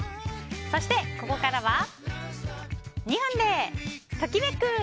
そして、ここからは２分でトキめく！